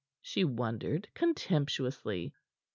she wondered contemptuously.